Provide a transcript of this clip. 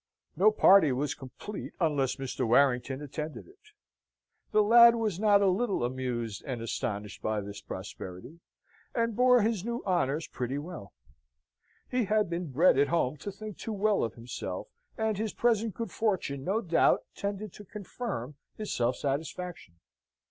No party was complete unless Mr. Warrington attended it. The lad was not a little amused and astonished by this prosperity, and bore his new honours pretty well. He had been bred at home to think too well of himself, and his present good fortune no doubt tended to confirm his self satisfaction.